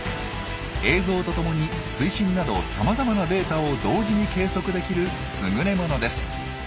映像とともに水深などさまざまなデータを同時に計測できるすぐれものです。